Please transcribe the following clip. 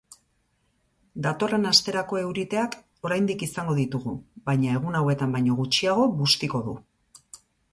Datorren asterako euriteak oraindik izango ditugu baina egun hauetan baino gutxiago bustiko du.